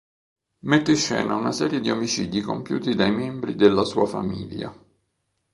Mette in scena una serie di omicidi compiuti dai membri della sua "famiglia".